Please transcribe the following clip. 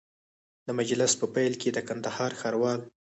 د مجلس په پیل کي د کندهار ښاروال